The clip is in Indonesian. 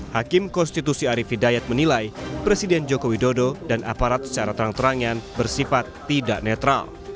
hakim konstitusi arief hidayat menilai presiden joko widodo dan aparat secara terang terangan bersifat tidak netral